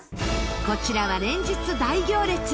こちらは連日大行列！